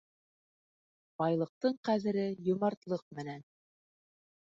Байлыҡтың ҡәҙере йомартлыҡ менән.